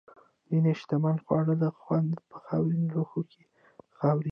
ځینې شتمن خواړه له خونده په خاورین لوښو کې خوري.